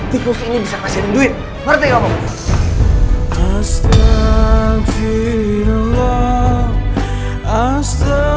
tikus ini bisa kasihin duit